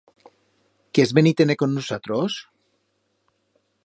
Quiers venir-te-ne con nusatros?